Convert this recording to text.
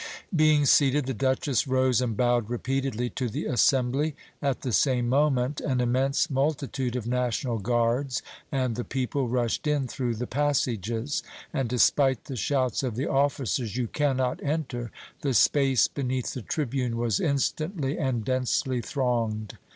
Being seated, the Duchess rose and bowed repeatedly to the assembly. At the same moment an immense multitude of National Guards and the people rushed in through the passages, and despite the shouts of the officers, "You cannot enter!" the space beneath the tribune was instantly and densely thronged.